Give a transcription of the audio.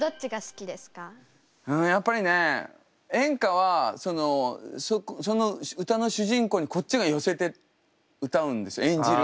やっぱりね演歌はその歌の主人公にこっちが寄せて歌うんですよ。